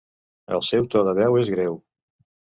El seu to de veu és greu.